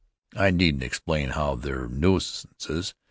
I needn't explain how they're nuisances.